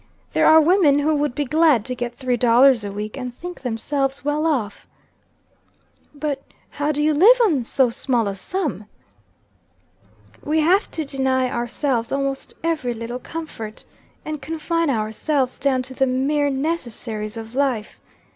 "There are women who would be glad to get three dollars a week, and think themselves well off." "But how do you live on so small a sum?" "We have to deny ourselves almost every little comfort, and confine ourselves down to the mere necessaries of life.